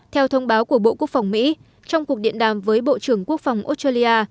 theo thông báo của bộ quốc phòng mỹ trong cuộc điện đàm với bộ trưởng quốc phòng australia